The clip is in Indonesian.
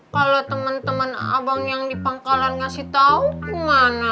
kalau teman teman abang yang di pangkalan ngasih tahu kemana